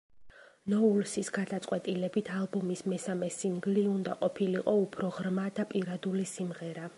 ნოულსის გადაწყვეტილებით, ალბომის მესამე სინგლი უნდა ყოფილიყო უფრო ღრმა და პირადული სიმღერა.